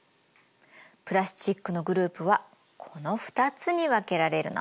プラスチックのグループはこの２つに分けられるの。